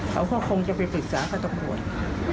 เขาก็คงจะไปปรึกษากับตำรวจ